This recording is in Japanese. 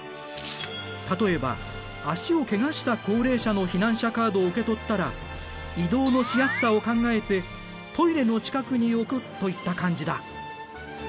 例えば足をケガした高齢者の避難者カードを受け取ったら移動のしやすさを考えてトイレの近くに置くといった感じだ。